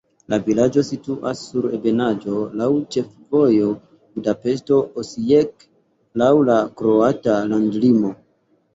La vilaĝo situas sur ebenaĵo, laŭ ĉefvojo Budapeŝto-Osijek, laŭ la kroata landlimo.